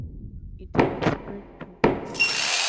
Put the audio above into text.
It has spread to